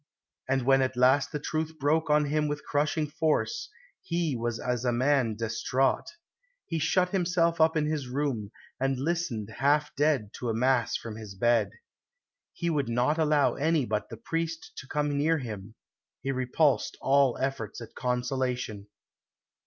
And when at last the truth broke on him with crushing force, he was as a man distraught. "He shut himself up in his room, and listened half dead to a Mass from his bed." He would not allow any but the priest to come near him; he repulsed all efforts at consolation.